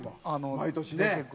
毎年ね。